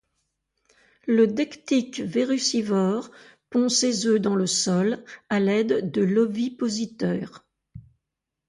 Le dectique verrucivore pond ses œufs dans le sol à l'aide de l'ovipositeur.